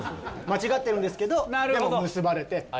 間違ってるんですけどでも結ばれて。